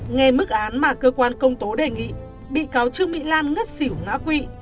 nghe mức án mà cơ quan công tố đề nghị bị cáo trương mỹ lan ngất xỉu ngã quỵ